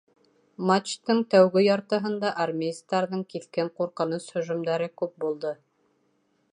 Матчтың тәүге яртыһында армеецтарҙың киҫкен ҡурҡыныс һөжүмдәре күп булды